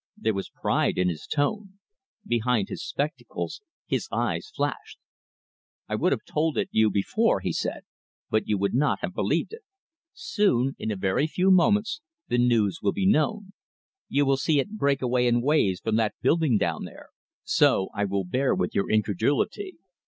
There was pride in his tone. Behind his spectacles his eyes flashed. "I would have told it you before," he said, "but you would not have believed it. Soon in a very few moments the news will be known. You will see it break away in waves from that building down there, so I will bear with your incredulity.